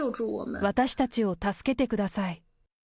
私たちを助けてください。